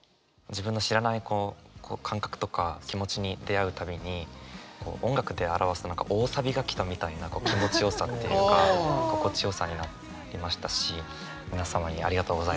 自分の知らない感覚とか気持ちに出会うたびに音楽で表すと大サビがきたみたいな気持ちよさっていうか心地よさになりましたし皆様にありがとうございますと。